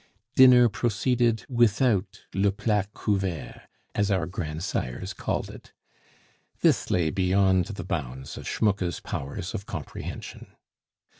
Dinner proceeded without le plat couvert, as our grandsires called it. This lay beyond the bounds of Schmucke's powers of comprehension.